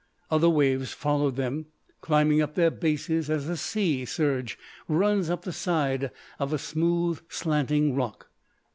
Other waves followed them, climbing up their bases as a sea surge runs up the side of a smooth, slanting rock.